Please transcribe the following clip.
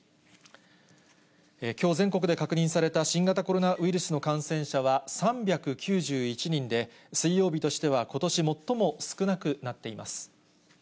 きょう全国で確認された新型コロナウイルスの感染者は３９１人で、水曜日としてはことし最も少なくなっています。